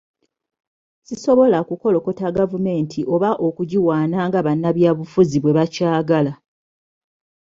sisobola kukolokota gavumenti oba okugiwaana nga bannabyabufuzi bwe bakyagala